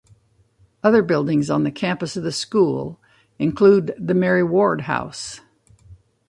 Other buildings on the campus of the school include the Mary Ward House.